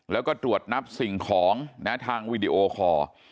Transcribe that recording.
แล้วก็ตรวจนับสิ่งของทางวีดีโอคอร์